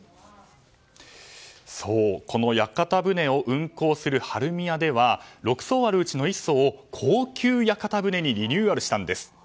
そう、この屋形船を運航する晴海屋では６艘あるうちの１艘を高級屋形船にリニューアルしたんです。